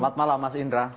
selamat malam mas indra